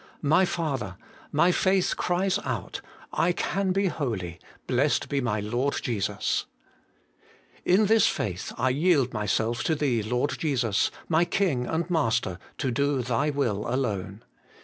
My Father ! my faith cries out : I can be holy, blessed be my Lord Jesus ! In this faith I yield myself to Thee, Lord Jesus, my King and Master, to do Thy will alone.